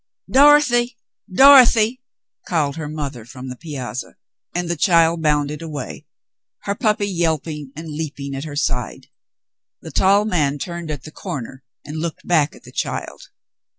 *' Dorothy, Dorothy," called her mother from the piazza, and the child bounded away, her puppy yelping and leap ing at her side. The tall man turned at the corner and looked back at the child.